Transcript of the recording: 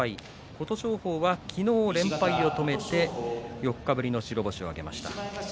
琴勝峰は昨日連敗を止めて４日ぶりの白星を挙げました。